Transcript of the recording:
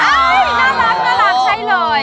เฮ้ยน่ารักน่ารักใช่เลย